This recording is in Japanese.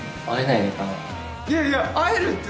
いやいや会えるって。